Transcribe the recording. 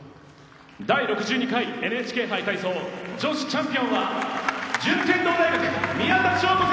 第６２回ＮＨＫ杯体操女子チャンピオンは順天堂大学宮田笙子選手です。